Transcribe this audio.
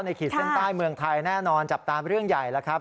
ขีดเส้นใต้เมืองไทยแน่นอนจับตามเรื่องใหญ่แล้วครับ